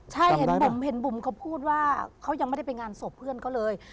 ใช่เห็นบุ๋มเห็นบุ๋มเขาพูดว่าเขายังไม่ได้ไปงานศพเพื่อนเขาเลย